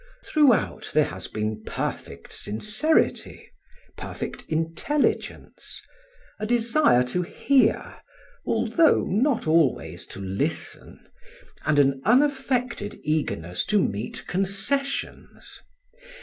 Throughout there has been perfect sincerity, perfect intelligence, a desire to hear although not always to listen, and an unaffected eagerness to meet concessions.